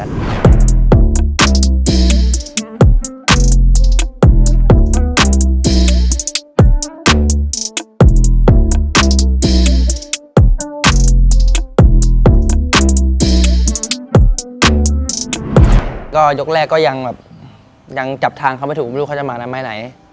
ก็ยกแรกก็ยังแบบยังจับทางเขาไม่ถูกไม่รู้เขาจะมาทำไมไหน